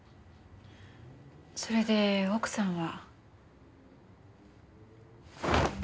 それで奥さんは？